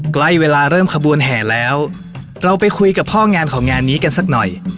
ใกล้เวลาเริ่มขบวนแห่แล้วเราไปคุยกับพ่องานของงานนี้กันสักหน่อย